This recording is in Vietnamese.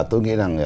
tôi nghĩ rằng